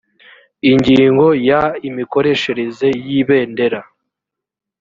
ingingo ya imikoreshereze y ibendera